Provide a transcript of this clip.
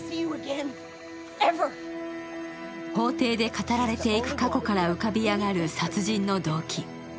法廷で語られていく過去から浮かび上がる殺人の動機。